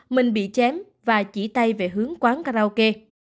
mình bị chém và chỉ tay về hướng quán karaoke